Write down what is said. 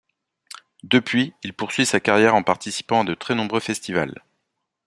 Depuis, il poursuit sa carrière en participant à de très nombreux festivals.